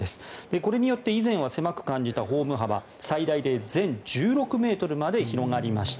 これによって以前は狭く感じたホーム幅最大で全１６ｍまで広がりました。